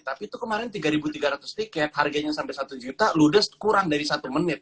tapi itu kemarin tiga tiga ratus tiket harganya sampai satu juta ludes kurang dari satu menit